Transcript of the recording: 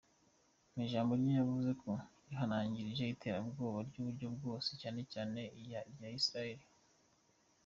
Mu ijambo rye yavuze ko yihanangirije iterabwoba ry'uburyo bwose, cyane cyane irya Israel.